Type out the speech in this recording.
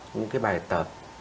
những cái bài tập